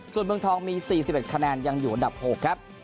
ส่วนเมืองทองมีสี่สิบเอ็ดคะแนนยังอยู่อันดับหกครับ